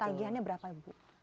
tagihannya berapa bu